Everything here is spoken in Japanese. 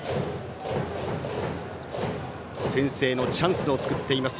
先制のチャンスを作っています